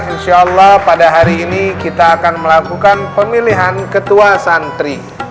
insya allah pada hari ini kita akan melakukan pemilihan ketua santri